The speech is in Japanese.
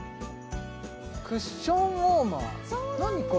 クッションウォーマー何これ？